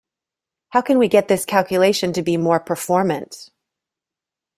How can we get this calculation to be more performant?